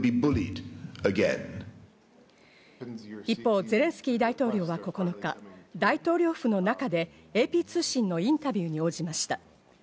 一方、ゼレンスキー大統領は９日、大統領府の中でＡＰ通信のインタビューに応じました。